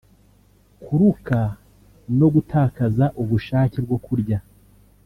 kuruka no gutakaza ubushake bwo kurya